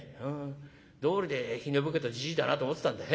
道理でひねぼけたじじいだなと思ってたんだよ。